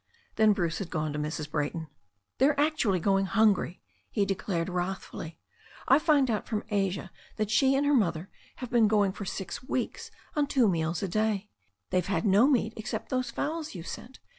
Then Bruce had gone to Mrs. Brayton. "They're actually going hungry!" he declared wrath fully. "IVe found out from Asia that she and her mother have been going for six weeks on two meals a day. They've had no meat except those fowls you sent.